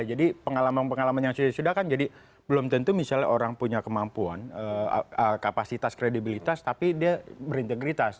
jadi pengalaman pengalaman yang sudah sudah kan jadi belum tentu misalnya orang punya kemampuan kapasitas kredibilitas tapi dia berintegritas